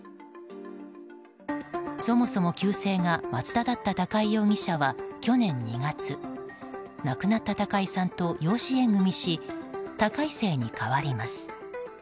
そもそも、旧姓が松田だった高井容疑者は去年２月、亡くなった高井さんと養子縁組し高井姓に変わります。